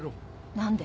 何で？